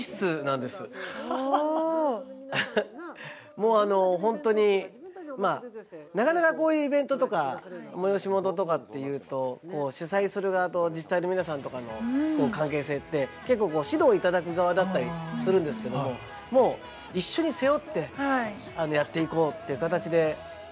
もう本当になかなかこういうイベントとか催し物とかっていうと主催する側と自治体の皆さんとかの関係性って結構指導いただく側だったりするんですけども一緒に背負ってやっていこうっていう形で。